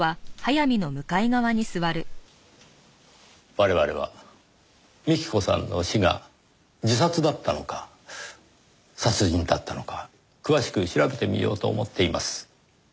我々は幹子さんの死が自殺だったのか殺人だったのか詳しく調べてみようと思っています。